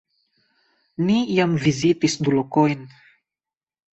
Ni jam vizitis du lokojn